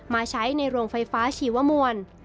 มาใช้ในโรงไฟฟ้าชีวมวล